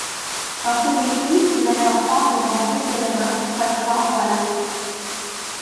Dans ses écrits, il incorpore de nombreux éléments du folklore wallon.